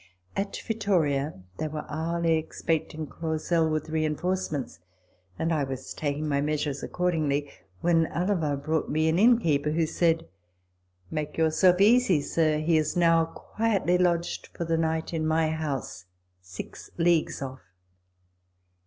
At Vittoria they were hourly expecting Clausel with reinforcements, and I was taking my measures accordingly, when Alava brought me an inn keeper, who said, " Make yourself easy, sir ; he is now quietly lodged for the night in my house six leagues off."